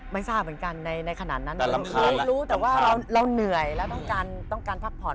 ไม่ทราบเหมือนกันในขณะนั้นรู้แต่ว่าเราเหนื่อยแล้วต้องการต้องการพักผ่อน